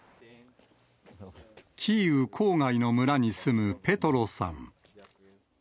キーウ郊外の村に住むペトロさん。